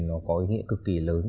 nó có ý nghĩa cực kỳ lớn